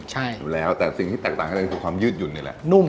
ใช่อยู่แล้วแต่สิ่งที่แตกต่างกันเลยคือความยืดหยุ่นนี่แหละ